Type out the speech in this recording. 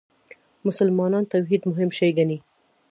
مسلمانان توحید مهم شی ګڼي.